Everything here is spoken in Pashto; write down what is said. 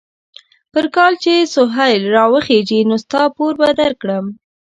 پر کال چې سهيل را وخېژي؛ نو ستا پور به در کړم.